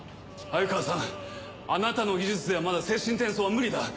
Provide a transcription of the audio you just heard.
鮎川さんあなたの技術ではまだ精神転送は無理だ。